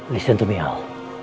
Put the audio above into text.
dengar nih al